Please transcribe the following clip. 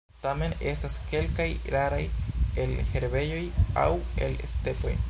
Tamen estas kelkaj raraj el herbejoj aŭ el stepoj.